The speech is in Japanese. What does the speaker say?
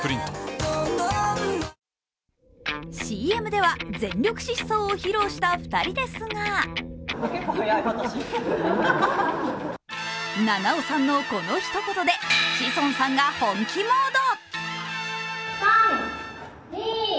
ＣＭでは、全力疾走を披露した２人ですが菜々緒さんのこのひと言で志尊さんが本気モード。